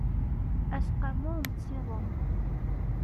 aseqqamu n tsiḍent